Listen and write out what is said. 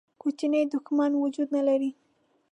کوچنی دښمن وجود نه لري.